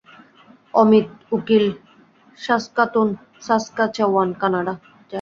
অমিত উকিল Saskatoon, Saskatchewan, Canada.